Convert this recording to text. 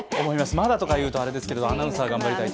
まだとか言うとあれですけれども、アナウンサー頑張りたいと。